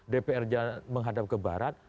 dpr menghadap ke barat